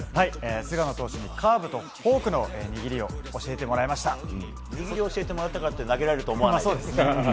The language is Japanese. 菅野投手にカーブとフォークの握りを握り教えてもらったからって投げられると思わないよね。